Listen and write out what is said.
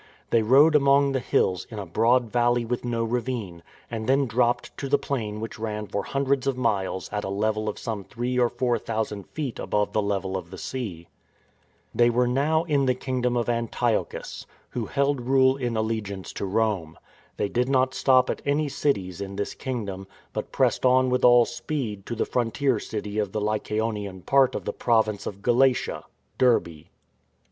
They rode among the hills in a broad valley with no ravine, and then dropped to the plain which ran for hundreds of miles at a level of some three or four thousand feet above the level of the sea. They were ' F. W. H. Myers, St. Paul. 174. THE FORWARD TREAD now in the kingdom of Antiochus — who held rule in allegiance to Rome. They did not stop at any cities in this kingdom, but pressed on with all speed to the frontier city of the Lycaonian part of the Province of Galatia — Derbe.